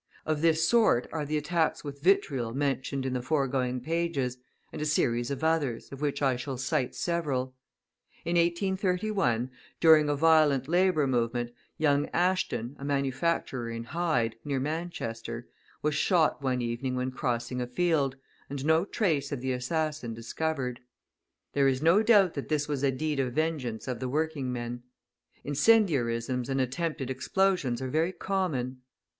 Of this sort are the attacks with vitriol mentioned in the foregoing pages, and a series of others, of which I shall cite several. In 1831, during a violent labour movement, young Ashton, a manufacturer in Hyde, near Manchester, was shot one evening when crossing a field, and no trace of the assassin discovered. There is no doubt that this was a deed of vengeance of the working men. Incendiarisms and attempted explosions are very common.